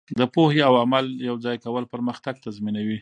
د پوهې او عمل یوځای کول پرمختګ تضمینوي.